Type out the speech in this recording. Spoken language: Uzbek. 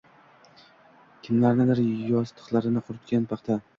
Kimlarnidir yostiqlarini quritgan paxta.